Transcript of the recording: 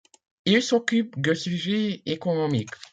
Il s'occupe de sujets économiques.